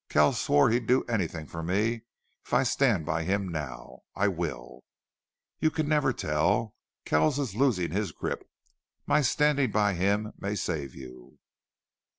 Kells swore he'd do anything for me if I stand by him now. I will. You never can tell. Kells is losing his grip. And my standing by him may save you."